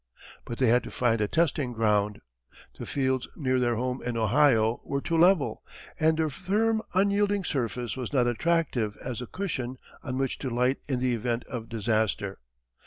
But they had to find a testing ground. The fields near their home in Ohio were too level, and their firm unyielding surface was not attractive as a cushion on which to light in the event of disaster.